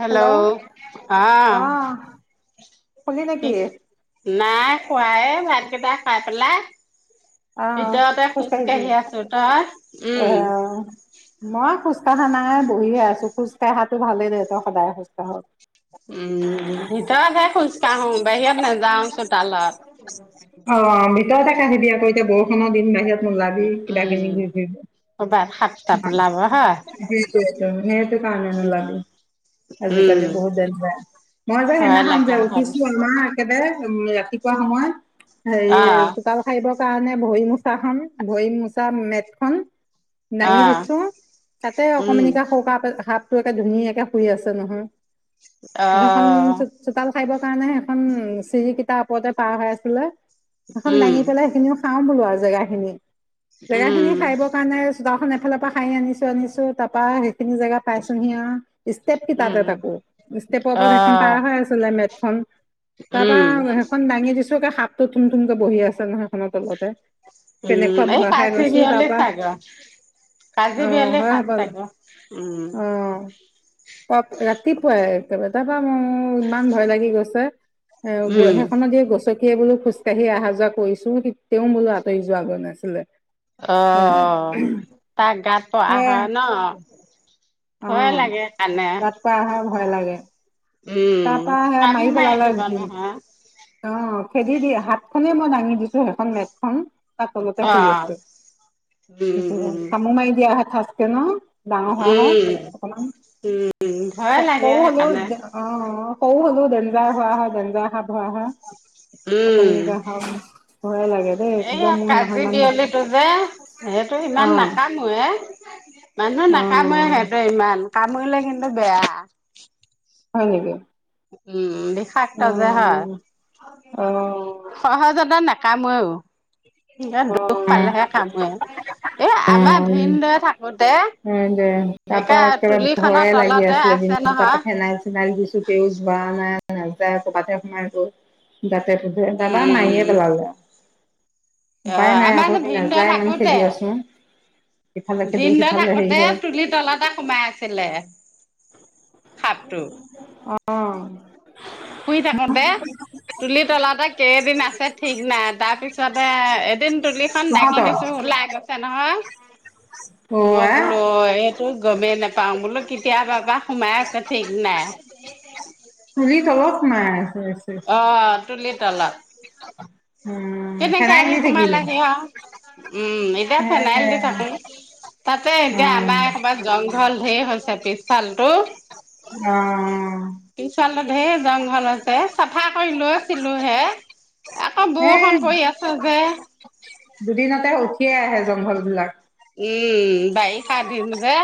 Hello? অহ, আহ শুলি কি নেকি নাই হোৱা এ ভাতকেইটা খাই পেলাই আহ ভিতৰতে খোজকাঢ়ি আছো, তই? উম অহ, মই খোজ কঢ়া নাই বহিহে আছো। খোজ কঢ়াটো ভালেই দে তই সদায় খোজকাঢ়। উম ভিতৰতহে খোজ কাঢ়ো বাহিৰত নাযাও চোতালত। হয় । অ ভিতৰতে কাঢ়িবি আক এতিয়া বৰষুৰ দিন বাহিৰত নোলাবি উম কিনাকিনি ঘূৰি ফুৰিবি ক'ৰবাত সাতটা ওলাব হয় সেইটোৱেটো, সেইটো কাৰণে উম নোলাবি উম ।আজিকালি বৰ দেনযাৰ ।মই যে ভয় সেইদিখন লগা যে হ'ল উঠিছো আমাৰ দে উম ৰাতিপুৱা সময়ত হেই অ চুতাল হায়িব কাৰণে ভৰি মোচা খ ভৰি মোচা মেটখন অ দাঙি দিছো, তাতে উম অকমানিকা সৰুকে সাপ টো একে ধুনীয়াকে শুই আছে নহয় অ খাইৰ কাৰণে এখন চিৰিকেইটাৰ ওপৰতে পাৰ হৈ আছিলে। এখন উম দাঙি পেলাই সেইখিনিও সাপ ওলোৱা জেগাখিনি জেগা খিনি উম সাইব কাৰণে চোতালখন এফালৰ পৰা খাই আনিছো আও তাপা সেইখিনি জেগা পাইছোহি আও, ষ্টেপ উম কেটাতে তাকো। ষ্টেপৰ অ ওপৰত সেইখন পাৰ হৈ আছিলে মেট খন, তাৰপা উম আও সেইখন দাঙি দিছো সাপটো থুমথুমকে বহি আছে নহয় সেখনৰ তলত। উম এই পাইচে বি হলে তাৰপা চাগে কাজি অ বিয়ালি হয় শাত হব থাকে উম প ৰাতিপুৱাই একেবাৰে তাপা অ ইমান ভয় লাগি গৈছে, [inaudible] এ উম, সেইখনত দিয়ে গছকি। সে বোলো খোজকাঢ়ি অহা যোৱা কৰিছো। তেওঁ বোলো আটৈ জোৱাগৈ নাই ছিলে অ তাক গাত পা সে হয় ন অ ভয়ে লাগে কাণে। তাত পৰা আহে ভয় লাগে উম। তাৰ পৰা আহে পানী মাৰি পেলালে দিব নহয়, অ খেদি দিয়ে হাতখনে মই নঙ। উ স মেট খ তাৰ তলতে শুই অ'। আছে উম, উম। তামো মাৰি দিয়া হলে। থাচকে ন? ডাঙৰ হোৱা হয় অকমান উম ভয়ে লাগে আই সেইকাৰণে। সৱো হলেও ডেঞ্জাৰ হোৱা হয় ডেঞ্জাৰ সাপ হোৱা হয় উম অকমানিকে শাক ভয়ে লাগে দেই একদম এইয়া মোৰ সেইদিনাখন কাজি ইমান ভয় বিয়লিটো যে, সেইটো অ ইমান নাকামোয়ে, মানুহ অ নাকাময়ে সেইটো ইমান। কামুৰিলে কিন্তু বেয়া। হয় নেকি? উম দে শাক্ত অ যে হয় অ সহজতে নে কামুউৱেও অ দুখ পালেহে কামোৱে। এ আমাৰ ভিনদৰে থাকোতে তাৰ একে পৰা একেবাৰে তুলিখনৰ ভয়ে লাগি তলতে আছিলে আছে দিনটো। নহয় তাপৰা ফেনাইল-চেনাইল দিছো। তেউজ বা নাই নাযায় ক'ৰবাতে সোমায় গৈ ফুটা তাপা মাইয়ে পেলালে। অ উপাই নাই আমাৰ আকৌ যে স ভিনদেউ নাযায়, মানে থাকোতে খেদি আছোঁ। ভিনদেউ থাকোতে তুলি তলতে সোমাই আছিলে সাপ। অ শুই থাকোতে তুলি তলাতে কেইদিন আছে ঠিক নাই। তাৰ পিছত তে দুদিন তুলিখন দাঙি তহঁতৰ দিছো, ওলাই গৈছে নহয়। উ অ মই আই বোলো এ ত গমেই নাপাও বোলো কেতিয়াবাবা সোমাই আছে ঠিক নাই। তুলি তলত সোমাই আছে ইচ ইচ অ তুলি তলত। উম, কেনেকে ফেনাইল আহি দি সোমাল থাকিবি। আহি আও। উম, এতিয়া ফেনাইল দি থাকো। তাতে এতিয়া উম, আমাৰ কবা জং ঘল ধেই হৈছে পিছফাল অ। ঢেৰ জংঘল আছে কথা কৈ লৈছিলো হে। আকৌ এ বৰষুণ পৰি আছে যে। দুদিনতে উঠিয়ে আহে জংঘল বিলাক। উম বাইখা দিন যে।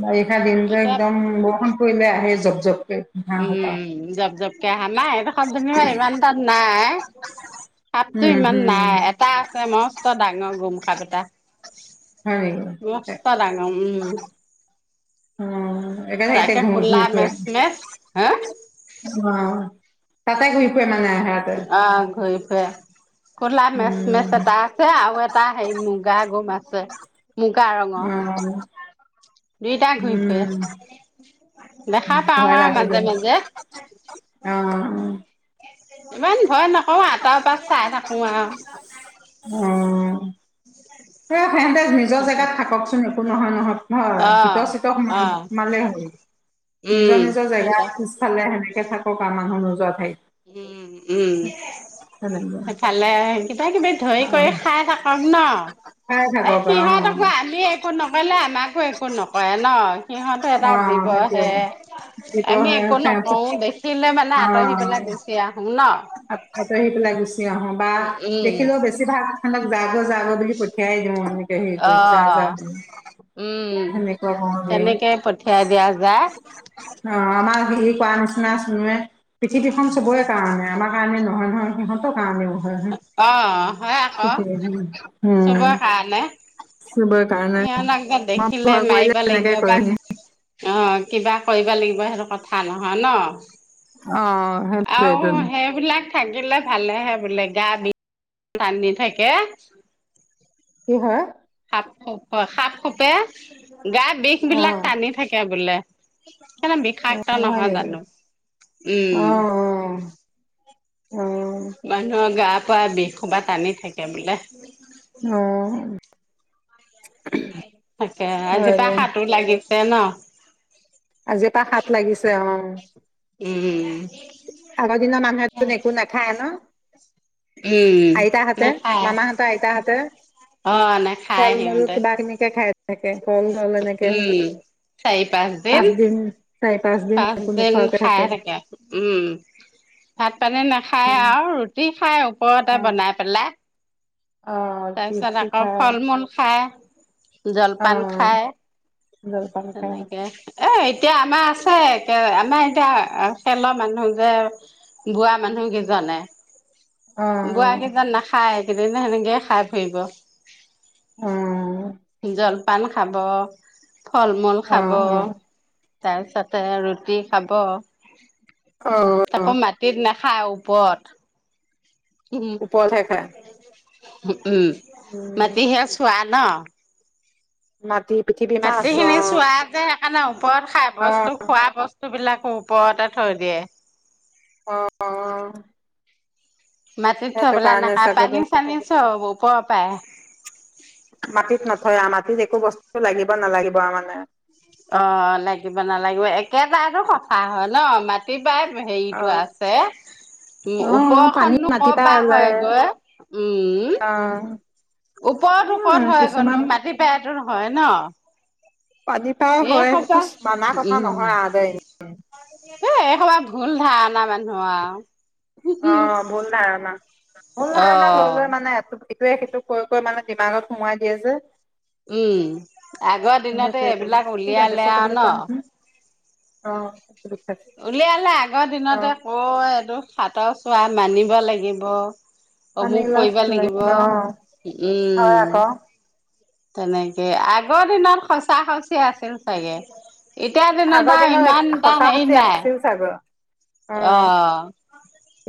বাৰিষা দিন যে এতিয়া একদম বৰষুণ পৰিলে আহে জপ জপকৈ ঘাঁহ সোপা। কে আহা নাই তুমিও ইমান তাত নাই। সাপটো উম, ইমান হুম, নাই, এটা আছে মস্ত ডাঙৰ গোম সাপ এটা হয় নেকি? মস্ত ডাঙৰ, উম। উম! একেলগে তাকে ঘুম কোলা ঘুৰি ফুৰে, মেচ মেচ হা অ'! তাতে ঘূৰি ফুৰে মানে। সিহঁতে। অ' ঘূৰি ফুৰে, কলা মেচ উম, মেচ এটা আছে আৰু এটা হেৰি মুগা গোম মাছে ছে। মুগা ৰঙৰ, অ', দুইটা ঘূৰি উম, ফুৰে, দেখা ভয় পাও আৰু লাগে দে। মাজে মাজে। অ', ইমান ভয় নকওঁ আৰু, তলৰ পৰা চাই থাকোঁ আৰু। হে নিজৰ তাকে জেগাত থাককচোন একো নহয় নহয়! হয়, অ', বিত চিত সো অ'। সোমালেই হ'ল, উম, নিজৰ নিজৰ সেইটো জেগাত পিছফালে সেনেকে থাকক আমাক [unintelligible] উম উম, তেনেকুৱা সেফালে কিবা কিবি ধৰি কৰি অ, খাই থাকক ন। খাই এ থাকক আৰু সিহঁতকো অ আমি একো নকৰিলে আমাকো একো নকৰে ন, সিহঁতো এটা অ জীৱ সেইটোৱে হে, দিব আমি হে একো সিহঁতি নকৰোঁ। দেখিলে মানে আঁতৰি পেলাই গুচি আহোঁ ন। আ খাইত আহি পেলাই গুচি আহোঁ বা উম। দেখিলেও বেছিভাগ যাব যাব বুলি পঠিয়াই দিওঁ মানে হেৰি অ কৰি যা, যা, উম সেনেকুৱা কওঁ গে, তেনেকে পঠিয়াই দিয়া যায়। অ আমাক কোৱা নিচিনা শুনোৱে পৃথিৱীখন চবৰে কাৰণে কাৰণে নহয় নহয় সিহঁতৰ কাৰণেও হয় অ' হয় আকৌ, চবৰ চবৰ কাৰণে কাৰণে [unintelligible] মই দেখিলে ভয় কৰিলে মাৰিবা তেনেকে লাগিব বা, কৰে। অ'! কিবা কৰিব লাগিব, সেইটো কথা নহয় ন। অ' আৰু সেইটোৱেটো। সেইবিলাক থাকিলে ভালেহে বোলে, গা [unintelligible] থাকে। কি হয়? সাপ সাপ খোটে গা বিষ অ বিলাক টানি থাকে বোলে। সেই কাৰণে বিষাইছেও হয় নহয় নেকি জানোঁ। অ উম! অ অ অ মানুহৰ গা পৰা বিষ সোপা টানি থাকে বোলে। উম! তাকে, হয় আজিপা দে সাতো লাগিছে ন! আজিৰ পৰা সাত লাগিছে, অ'! উম! আগৰ দিনৰ মানুহেতো একো নাখায়ে ন? উম। আইতা হতে, নাখায় মামা হতৰ আইতা হতে। অ' নাখায় ফল মূল সিহঁতে কিবাখিনিকে খাই থাকে, ফল ছল এনেকে, উম। পাঁচ দিন, চাৰি পাঁচ দিন একো নোখোৱাকে থাকে। উম ভাত পানী নাখায় উম আৰু, ৰুটি খাই ওপৰতে অ বনাই পেলাই। অ তাৰপিছত পিচি আকৌ, খা ফল মূল খায়। অ জলপান খায়। জলপান খা তেনেকে এ, এতিয়া আমাৰ আছে, আমাৰ এতিয়া খেলৰ মানুহ যে, বোৱা মানুহ কেইজনে। বোৱাৰ অ', কেইজন নাখায়। সেইদিনা সেনেকৈয়ে খাই ফুৰিব। অ', জল পান খাব। ফল মূল খাব। অ', তাৰপিছতে ৰুটি খাব। অ', আকৌ মাটিত না খাই ওপৰত। উপৰলে খায়? উম! উম, উম, মাটিহে চোৱা। ন মাটি পৃথিৱী বাকী মাছ খিনি অ', চোৱাতে। আ ন। ওপৰত খাই অ', বস্তু খোৱা বস্তু বস্তু বিলাকো ওপৰতে থৈ দিয়ে। অ। মাটিত থৈ সেইটো পেলাই কাৰণে নাখায়। ছাগলী পানী চানি চব ওপৰৰ পায়। মাটিত নথয় মাটিত একো বস্তু লাগিব নালাগিব মানে। অ লাগিব নালাগিব একেটায়েটো কথা হয় ন মাটিত পাই হেৰিতটো অ', আছে উ অ', পানী ওপৰখনো ক মাটি পৰা ওলাই হয় গৈ উম অ'। ওপৰতো কত উম, হয় গৈনো কিছুমান মাটি পা হয় ন। পানী পাই এই হয় সেইটো সোপা মানা কথা উম, নহয় আ দে। এ এসবাৰ ভুল ধাৰণা মানুহৰ আৰু। অ ভুল ধাৰণা ভুল ধাৰণা লৈ অ', লৈ মানে সেইটোৱে সেইটো কৈ কৈ মানে ডিমাগত সোমোৱাই দিয়ে যে। উম আগৰ দিনতে এইবিলাক সেইটোৱেটো উলিয়ালে গেছৰ আৰু টেবলেটটো ন। আনিবি অ। বিষাইছে উলিয়ালে আগৰ দিনতে অ' ক' এইটো সাতৰ চোৱা মানিব লাগিব। পানী অমোক এগিলাচ কৰিবা লাগিব অ' হয় উম। আকৌ তেনেকে আগৰ দিনত সঁচা সচি আছিল চাগে। এতিয়াৰ দিনত আগৰ আৰু ইমানটা সঁচা হেৰি সচি নাই। আছিল চাগৈ অ। উম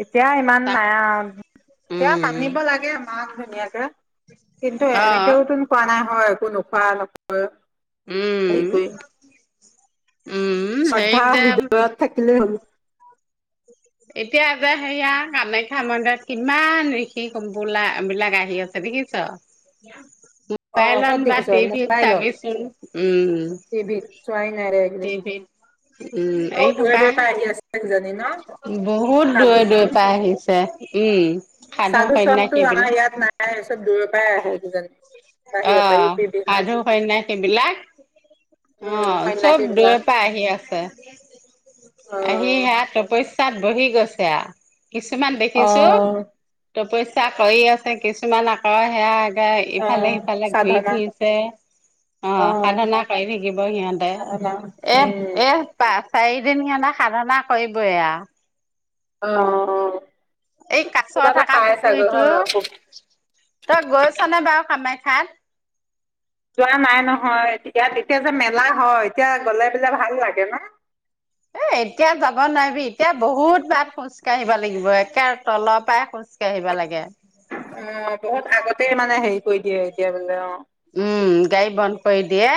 এতিয়া ইমান তাক নাই আৰু এতিয়া উম মানিব লাগে মান ধুনীয়াকে কিন্তু অ এনেকেওতুন কোৱা নাই হয় নোখোৱা নক সেই উম উম হেৰিত শ্ৰদ্ধা যে হৃদয়ত থাক [unintelligible] এতিয়া যে সেয়া কামাখ্যা মন্দিৰত কিমান ঋষি ক্পোলা বিলাক আহি আছে দেখিছ। অ' মোবাইলত ক'ত বা দেখিছ টিভিত মোবাইলত চাবিচোন উম টিভিত চোৱাই নাই দে এইকেইদিন টিভিত উম অ' দূৰে এইসপাহ দূৰে পৰা আহি আছে কিজানি ন বহুত দূৰে দূৰে পাই আহিছে। যে উম। সাধু চাধু সন্যাসী চামতটো আমাৰ বিলাক ইয়াত নাই চব দূৰৰ পৰাই আহে। উ [unintelligible] অ! সাধু, সন্যাসীবিলাক, অ উম চব সন্যাসী দূৰে বিলাক পৰা আহি আছে। আহি উম। সেইয়াত তপস্যা তাত বহি গৈছে আও। কিছুমান দেখিছোঁ অ'। তপস্যা কৰি আছে, কিছুমান আকৌ সেয়া আগে অ' ইফালে-সিফালে ঘূৰি সাধনা ফুৰিছে, অ অঁ! সাধনা কৰি থাকিব সিহঁতে। সাধনা উম এহ-এহ পা চাৰিদিন সিহঁতে সাধনা কৰিবই আৰু। অ'। এই কাছ কিবা এটা থকা পাই চাগৈ পুখুৰীটো, হয় তই গৈছানে বাৰু কামাখ্যা সাত যোৱা নাই নহয় এতিয়া, তেতিয়া যে মেলা হয়। এতিয়া গলে বোলে ভাল লাগে ন? এ এতিয়া যাব নোৱাৰিবি, এতিয়া বহুত বাট খোজ কাঢ়িব লাগিব একে তলৰ পৰাই খোজকাঢ়ি উম! বহুত আগতেই মানে হেৰি কৰি দিয়ে। এতিয়া বে [unintelligible] অ উম! গা়ড়ী বন্ধ কৰি দিয়ে।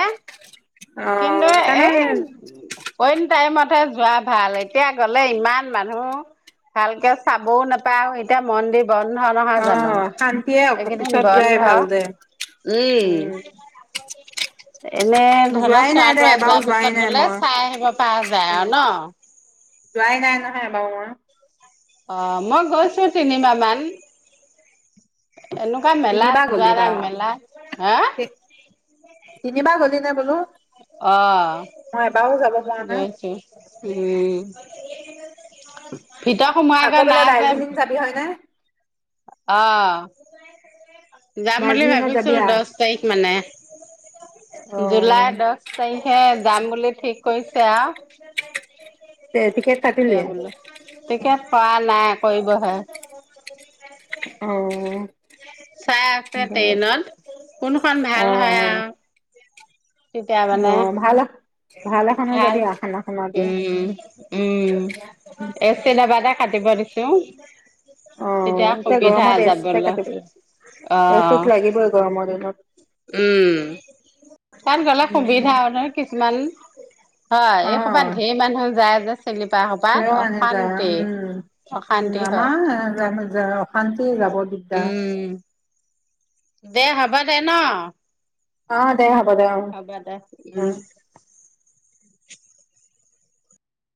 অ' কিন্তু সেইকাৰণে এই [unintelligible] টাইমত হে যোৱা ভাল, এতিয়া গ'লে ইমান মানুহ, ভালকে চাবও নাপাওঁ, এতিয়া মন্দিৰ বন্ধ নহয় জানো অ' শান্তিয়ে এইকেইদিন পিছত যোৱাই বন্ধ। ভাল দে উম! এনে ধৰি লক যোৱাই নাই দে চোৱা-তোৱা এবাৰো যোৱাৰ যোৱাই পিছত নাই গ'লে মই চাই আহিব পৰা যায় উম, আৰু ন? যোৱাই নাই নহয় এবাৰু মই। অ! মই গৈছোঁ তিনিবাৰমান। এনেকুৱা তিনিবাৰ মেলাত যোৱা গ'লি বা নাই, মেলা হা! তিনিবাৰ গলি নে বোলো? অ! মই এবাৰো যাব পৰা নাই গৈছোঁ । উম! ভিতৰত সোমোৱা আকৌ গৈ বোলে নাই যে। দাৰ্জিলিং যাবি হয়নে আহ! যাম বুলি দাৰ্জিলিঙত যাবি ভাবিছোঁ আ দহ তাৰিখমানে, জুলাই দহ তাৰিখে যাম বুলি ঠিক কৈছে আও। তে টিকেট কাটিলি সেয়া বোলে [inaudible] টিকেট কৰা নাই কৰিবহে। অঁ! চাই আছে ট্ৰেইনত কোনখন ভাল হয় আৰু? তেতিয়া মানে অহ ', ভাল ভাল এখনো য দিয়া আখানাখন দিও। উম, উম', এ চ নবাদা কাটিব দিছ। ক অহ ', এতিয়া গৰমত এছ কাট ল এচ লাগিবই গৰমৰ দিনত। উ', তাত গলে উম, সুবিধা হয় ন কি কিমান। হয় এই কবাত ধেৰ মানুহ যায় যে চিলিপা সোপাত সও মনি যা অশান্তি উম - উম অশান্তি হয় আমাৰ অশান্তি যাব দিগদাৰ। উম দে হ'ব দে ন। অহ ', দে হ হ'ব দে উম',